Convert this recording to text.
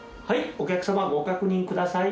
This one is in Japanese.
お客様ご確認ください。